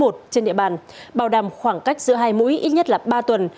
trên địa bàn bảo đảm khoảng cách giữa hai mũi ít nhất là ba tuần